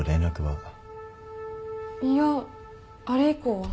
いやあれ以降は。